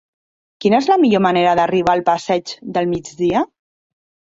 Quina és la millor manera d'arribar al passeig del Migdia?